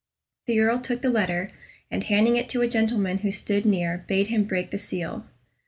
The Earl took the letter, and handing it to a gentleman who stood near, bade him break the seal.